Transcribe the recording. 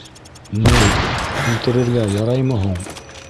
Ней, үлтерергә яраймы һуң?